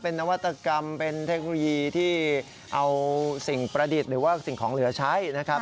นวัตกรรมเป็นเทคโนโลยีที่เอาสิ่งประดิษฐ์หรือว่าสิ่งของเหลือใช้นะครับ